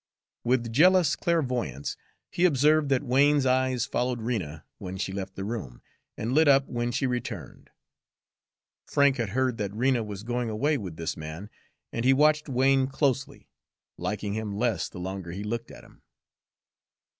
With jealous clairvoyance he observed that Wain's eyes followed Rena when she left the room, and lit up when she returned. Frank had heard that Rena was going away with this man, and he watched Wain closely, liking him less the longer he looked at him.